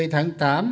hai mươi tháng tám